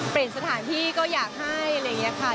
สถานที่ก็อยากให้อะไรอย่างนี้ค่ะ